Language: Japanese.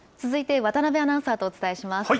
続いて渡辺アナウンサーとお伝えします。